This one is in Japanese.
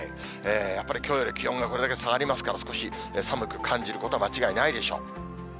やっぱりきょうより気温がこれだけ下がりますから、少し寒く感じることは間違いないでしょう。